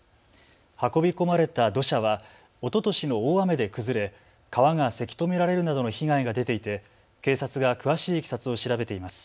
運び込まれた土砂はおととしの大雨で崩れ川がせき止められるなどの被害が出ていて警察が詳しいいきさつを調べています。